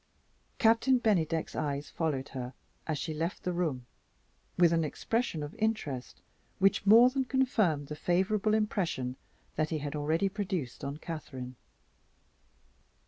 Captain Bennydeck's eyes followed her, as she left the room, with an expression of interest which more than confirmed the favorable impression that he had already produced on Catherine.